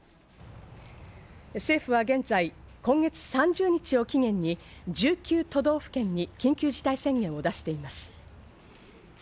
政府は現在、今月３０日を期限に１９都道府県に緊急事態宣言を出しています。